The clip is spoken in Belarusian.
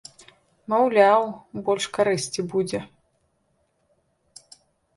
Маўляў, больш карысці будзе.